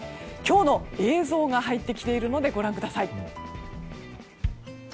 今日の映像が入ってきているのでご覧ください。